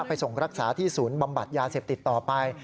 ไปส่งรักษาที่ศูนย์บำบัดยาเสพติดต่อไป